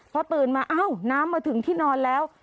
พอตื่นมาเอ้าน้ำมาถึงที่นอนแล้ว